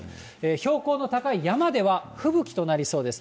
標高の高い山では、吹雪となりそうです。